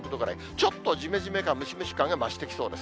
ちょっとじめじめ感、ムシムシ感が増してきそうです。